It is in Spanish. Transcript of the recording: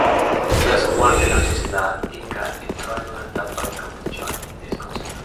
Tras su muerte, la sociedad inca entró en una etapa de confusión y desconcierto.